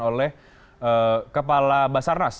oleh kepala basarnas